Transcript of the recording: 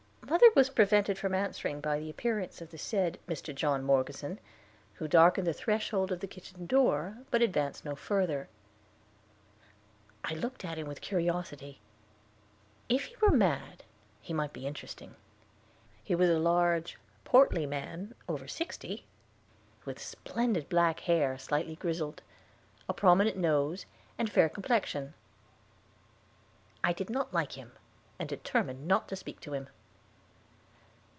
Mother was prevented from answering by the appearance of the said Mr. John Morgeson, who darkened the threshold of the kitchen door, but advanced no further. I looked at him with curiosity; if he were mad, he might be interesting. He was a large, portly man, over sixty, with splendid black hair slightly grizzled, a prominent nose, and fair complexion. I did not like him, and determined not to speak to him.